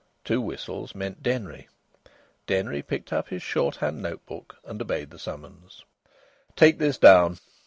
Two whistles meant Denry. Denry picked up his shorthand note book and obeyed the summons. "Take this down!"